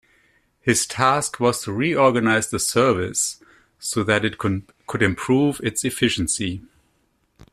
His task was to reorganise the service so that it could improve its efficiency.